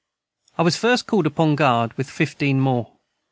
I was first called upon guard with 15 more.